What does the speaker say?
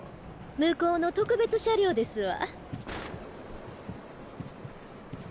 向こうの特別車両ですわ。